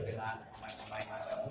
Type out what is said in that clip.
dan saya mengapresiasi tim persit jember